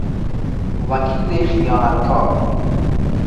وکیل خیانت کار